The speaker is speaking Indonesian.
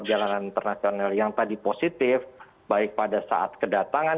jangan viaul landas ini saja normal